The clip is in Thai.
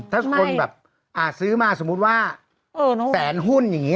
ถ้าคนแบบซื้อมาสมมุติว่าแสนหุ้นอย่างนี้